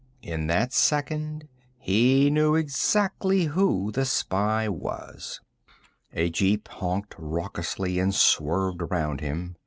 In that second, he knew exactly who the spy was. A jeep honked raucously and swerved around him.